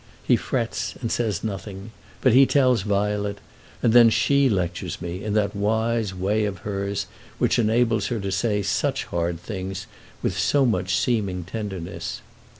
He frets, and says nothing; but he tells Violet, and then she lectures me in that wise way of hers which enables her to say such hard things with so much seeming tenderness.